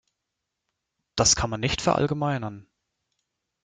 Das kann man nicht verallgemeinern.